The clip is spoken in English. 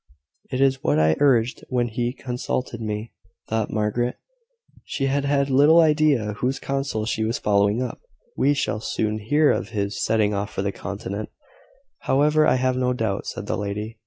"It is what I urged when he consulted me," thought Margaret. She had had little idea whose counsel she was following up. "We shall soon hear of his setting off for the Continent, however, I have no doubt," said the lady.